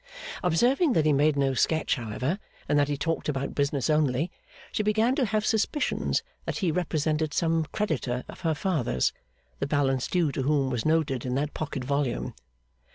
Observing that he made no sketch, however, and that he talked about business only, she began to have suspicions that he represented some creditor of her father's, the balance due to whom was noted in that pocket volume.